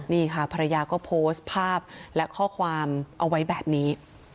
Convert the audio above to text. นี่ค่ะภรรยาก็โพสต์ภาพและข้อความเอาไว้แบบนี้